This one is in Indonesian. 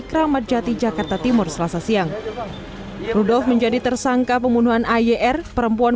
kramatjati jakarta timur selasa siang rudolf menjadi tersangka pembunuhan ayer perempuan